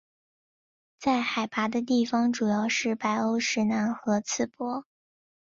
在海拔的地方主要是白欧石楠和刺柏。